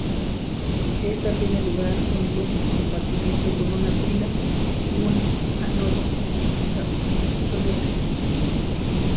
Esta tiene lugar en un único compartimento con una pila y un ánodo soluble.